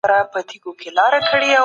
بشري ټولنه عدل او انصاف ته اړتیا لري.